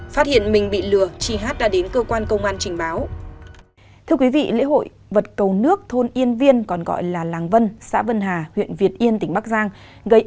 phát hiện mình bị lừa chị hát đã đến cơ quan công an trình báo